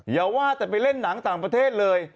อย่าว่าแต่ไปเล่นหนังต่างประเทศเลย